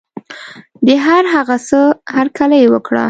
د هر هغه څه هرکلی وکړه.